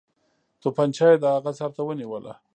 توپنچه یې د هغه سر ته ونیوله.